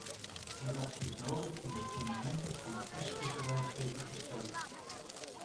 Die actie is nodig om de fundamenten van de kustvisserij zeker te stellen.